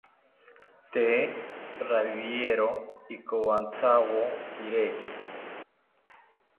Tee rawiero ikowantyawo kireki